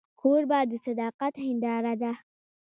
کوربه د صداقت هنداره ده.